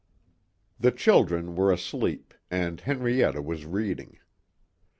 22 The children were asleep and Henrietta was reading.